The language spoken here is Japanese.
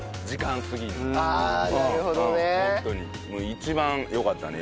一番よかったね